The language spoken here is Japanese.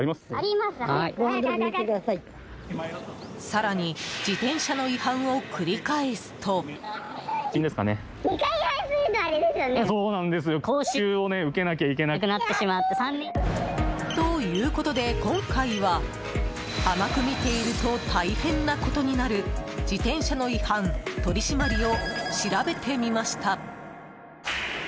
更に自転車の違反を繰り返すと。ということで今回は甘く見ていると大変なことになる自転車の違反取り締まりを調べてみました。